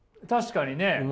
確かにね。